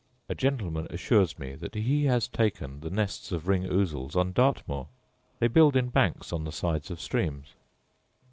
A gentleman assures me that he has taken the nests of ring ousels on Dartmoor: they build in banks on the sides of streams.